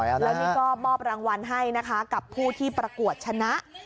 แล้วนี่ก็มอบรางวัลให้นะคะกับผู้ที่ประกวดชนะ